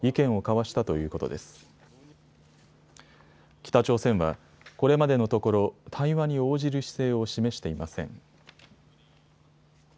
北朝鮮はこれまでのところ対話に応じる姿勢を示していません。